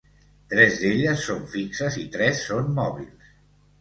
Tres d'elles són fixes i tres són mòbils.